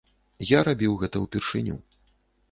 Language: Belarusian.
Я рабіў гэта ўпершыню.